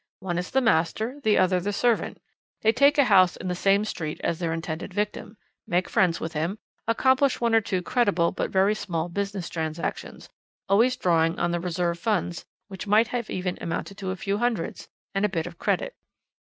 One is the master, the other the servant; they take a house in the same street as their intended victim, make friends with him, accomplish one or two creditable but very small business transactions, always drawing on the reserve funds, which might even have amounted to a few hundreds and a bit of credit.